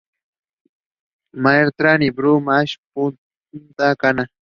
Maarten y Blue Mall Punta Cana.